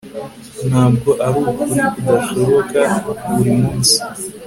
ntabwo ari ukuri kudashoboka buri munsi